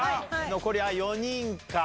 残り４人か。